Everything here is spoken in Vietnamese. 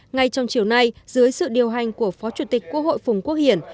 ngay trong chiều nay dưới sự điều hành của phó chủ tịch quốc hội phùng quốc hiển